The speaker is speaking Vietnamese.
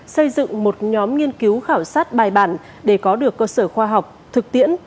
xây dựng một nhóm nghiên cứu khảo sát bài bản để có được cơ sở khoa học thực tiễn